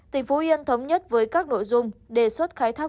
tỉnh phú yên thống nhất với các nội dung đề xuất khai thác